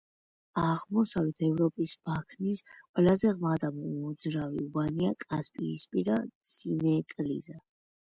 აღმოსავლეთ ევროპის ბაქნის ყველაზე ღრმა და მოძრავი უბანია კასპიისპირა სინეკლიზა.